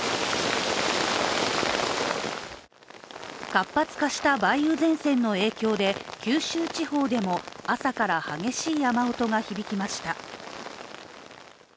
活発化した梅雨前線の影響で九州地方でも朝から激しい雨音が響きました。